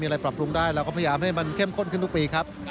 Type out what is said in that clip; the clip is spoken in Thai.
มีอะไรปรับปรุงได้เราเครื่องให้มันเค่มข้นคืนทุกปีครับ